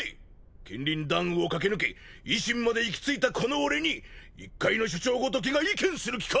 剣林弾雨を駆け抜け維新までいきついたこの俺に一介の署長ごときが意見する気か！